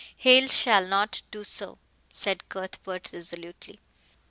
"Hale shall not do so," said Cuthbert resolutely.